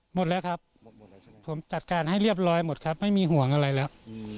หมดแล้วครับผมจัดการให้เรียบร้อยหมดครับไม่มีห่วงอะไรแล้ว